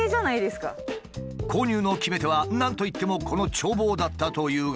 購入の決め手は何といってもこの眺望だったというが。